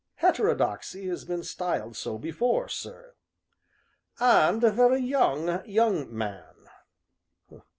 "Heterodoxy has been styled so before, sir." "And a very young, young man."